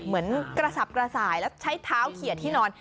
เหมือนกระสับกระส่ายแล้วใช้เท้าเขียดที่นอน